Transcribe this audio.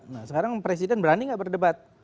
nah sekarang presiden berani gak berdebat